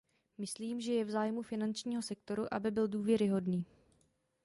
Myslím, že je v zájmu finančního sektoru, aby byl důvěryhodný.